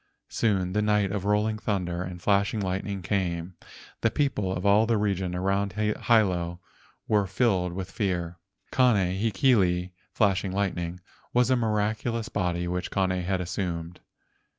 Soon the night of rolling thunder and flashing lightning came. The people of all the region around Hilo were filled with fear. Kane hekili (flashing lightning) was a miraculous body which Kane had assumed.